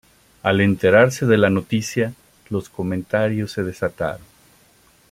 Al enterarse de la noticia, los comentarios se desataron.